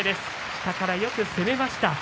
下からよく攻めました。